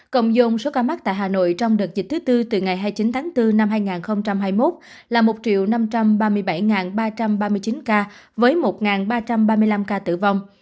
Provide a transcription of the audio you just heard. cộng dông số ca mắc tại hà nội trong đợt dịch thứ tư từ ngày hai mươi chín tháng bốn năm hai nghìn hai mươi một là một năm trăm ba mươi bảy ba trăm ba mươi chín ca với một ba trăm ba mươi năm ca tử vong